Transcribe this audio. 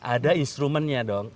ada instrumennya dong